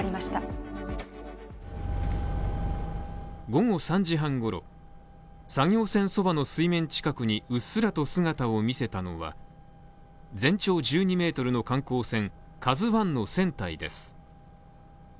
午後３時半ごろ、作業船そばの水面近くにうっすらと姿を見せたのは全長１２ｍの観光船「ＫＡＺＵⅠ」の船体です。